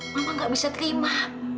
mama gak bisa terima